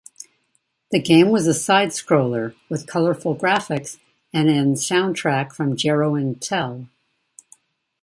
The game was a side-scroller with colourful graphics and an soundtrack from Jeroen Tel.